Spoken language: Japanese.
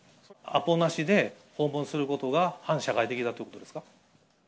アポなしで訪問することが反社会的だってことですか？